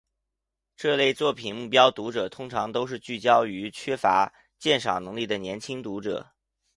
这类作品目标读者通常都是聚焦于缺乏鉴赏能力的年轻读者。